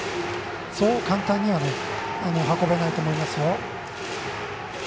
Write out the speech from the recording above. そう簡単には運べないと思います。